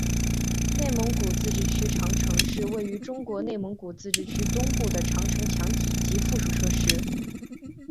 内蒙古自治区长城是位于中国内蒙古自治区东部的长城墙体及附属设施。